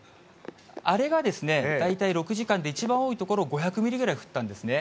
あれが大体６時間で一番多い所５００ミリぐらい降ったんですね。